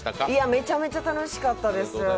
めちゃめちゃ楽しかったです。